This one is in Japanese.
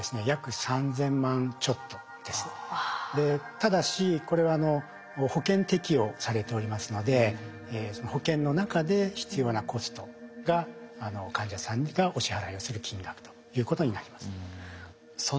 ただしこれは保険適用されておりますので保険の中で必要なコストが患者さんがお支払いをする金額ということになります。